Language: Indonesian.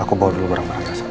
aku bawa dulu barang barang